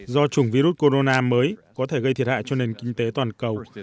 do chủng virus corona mới có thể gây thiệt hại cho nền kinh tế toàn cầu